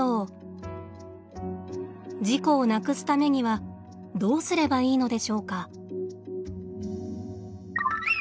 事故をなくすためにはどうすればいいのでしょうか。